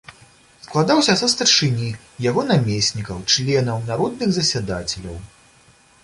Складаўся са старшыні, яго намеснікаў, членаў, народных засядацеляў.